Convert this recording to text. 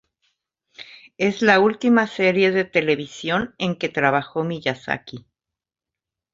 Es la última serie de televisión en que trabajó Miyazaki.